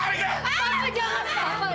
papa jangan papa